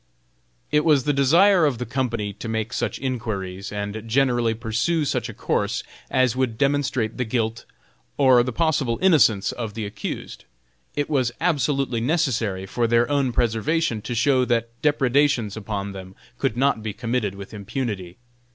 It was the desire of the company to make such inquiries, and generally pursue such a course as would demonstrate the guilt or the possible innocence of the accused. It was absolutely necessary for their own preservation to show that depredations upon them could not be committed with impunity.